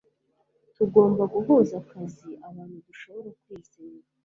tugomba guha akazi abantu dushobora kwizera